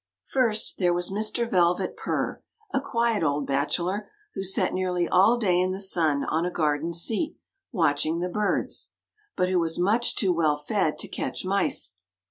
First, there was Mr. Velvet Purr, a quiet old bachelor, who sat nearly all day in the sun on a garden seat watching the birds, but who was much too well fed to catch mice.